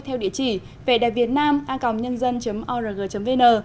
theo địa chỉ www vietnamacomnyangdan org vn